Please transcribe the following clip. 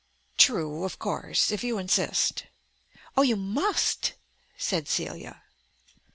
"True. Of course, if you insist " "Oh, you must," said Celia.